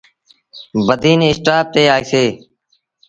بدين اسٽآپ تي آئيٚسي۔